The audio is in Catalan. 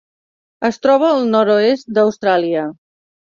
Es troba al nord-oest d'Austràlia.